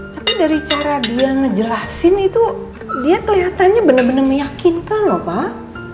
tapi dari cara dia ngejelasin itu dia kelihatannya benar benar meyakinkan lho pak